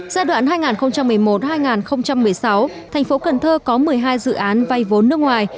giai đoạn hai nghìn một mươi một hai nghìn một mươi sáu thành phố cần thơ có một mươi hai dự án vay vốn nước ngoài